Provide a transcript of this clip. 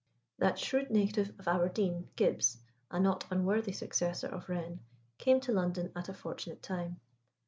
That shrewd native of Aberdeen, Gibbs a not unworthy successor of Wren came to London at a fortunate time.